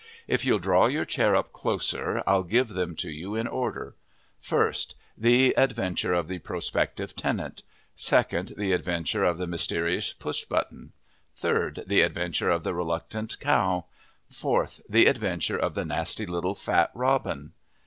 If you'll draw your chair up closer, I'll give them to you in order: First The Adventure of the Prospective Tenant. Second The Adventure of the Mysterious Push Button. Third The Adventure of the Reluctant Cow. Fourth The Adventure of the Nasty Little Fat Robin.